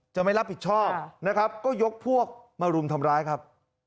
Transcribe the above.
จะไม่รับผิดชอบนะครับก็ยกพวกมารุมทำร้ายครับ